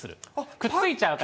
くっついちゃうから。